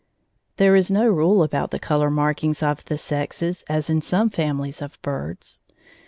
There is no rule about the color markings of the sexes, as in some families of birds.